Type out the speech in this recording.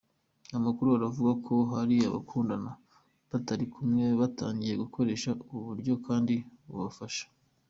Amakuru aravuga ko hari abakundana batari kumwe batangiye gukoresha ubu buryo kandi bubafasha.